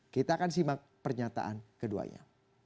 kita akan simak pernyataan keduanya